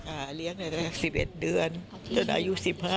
เลี้ยง๑๑เดือนจนอายุ๑๕